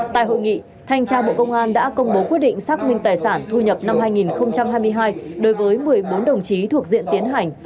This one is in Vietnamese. tại hội nghị thanh tra bộ công an đã công bố quyết định xác minh tài sản thu nhập năm hai nghìn hai mươi hai đối với một mươi bốn đồng chí thuộc diện tiến hành